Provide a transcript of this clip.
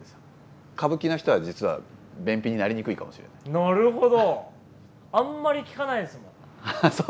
なるほど！